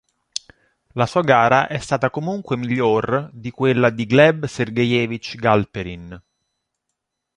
La sua gara è stata comunque miglior di quella di Gleb Sergeevič Gal'perin.